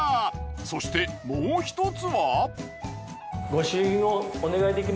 そしてもう一つは。